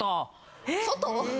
外！？